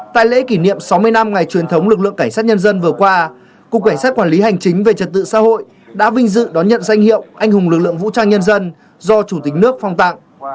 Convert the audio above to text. tại lễ kỷ niệm sáu mươi năm ngày truyền thống lực lượng cảnh sát nhân dân vừa qua cục cảnh sát quản lý hành chính về trật tự xã hội đã vinh dự đón nhận danh hiệu anh hùng lực lượng vũ trang nhân dân do chủ tịch nước phong tặng